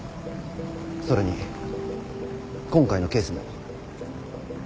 それに今回のケースも。